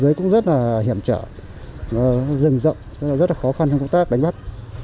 giới cũng rất là hiểm trở rừng rộng rất là khó khăn trong công tác đánh bắt